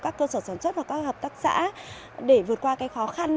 các cơ sở sản xuất và các hợp tác xã để vượt qua cái khó khăn